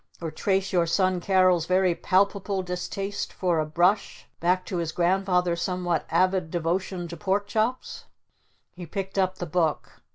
Or trace your son Carol's very palpable distaste for a brush, back to his grandfather's somewhat avid devotion to pork chops?" He picked up the book.